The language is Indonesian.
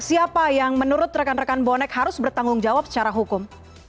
siapa yang menurut rekan rekan bonek harus bertanggung jawab secara hukum